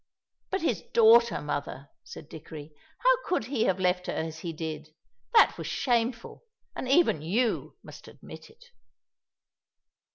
"But his daughter, mother," said Dickory; "how could he have left her as he did? That was shameful, and even you must admit it."